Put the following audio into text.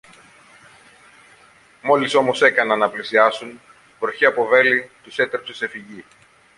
Μόλις όμως έκαναν να πλησιάσουν, βροχή από βέλη τους έτρεψε σε φυγή.